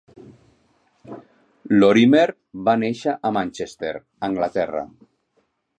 Lorimer va néixer a Manchester (Anglaterra).